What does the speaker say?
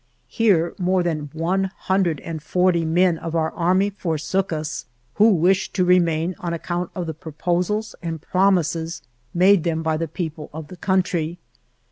Here more than 140 men of our army forsook us, who wished to re main, on account of the proposals and prom ises made them by the people of the country.